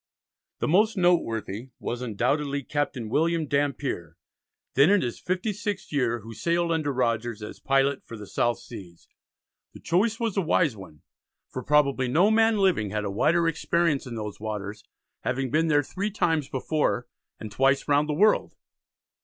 The most noteworthy was undoubtedly Captain William Dampier, then in his fifty sixth year, who sailed under Rogers as "Pilot for the South Seas." The choice was a wise one, for probably no man living had a wider experience in those waters, having been there three times before, and twice round the world.